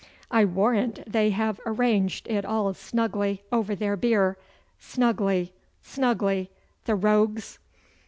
I warrant they have arranged it all snugly over their beer snugly, snugly, the rogues!